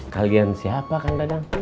kalian siapa kang dadang